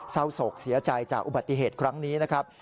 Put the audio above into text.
โศกเสียใจจากอุบัติเหตุครั้งนี้นะครับ